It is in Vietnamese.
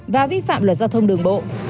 và vi phạm luật giao thông